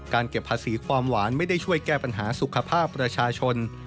เก็บภาษีความหวานไม่ได้ช่วยแก้ปัญหาสุขภาพประชาชน